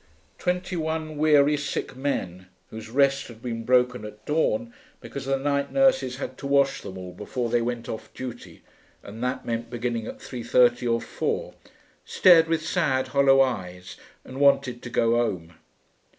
Twenty one weary sick men, whose rest had been broken at dawn because the night nurses had to wash them all before they went off duty, and that meant beginning at 3.30 or 4, stared with sad, hollow eyes, and wanted to go 'ome.